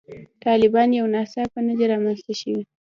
طالبان یو ناڅاپه نه دي رامنځته شوي.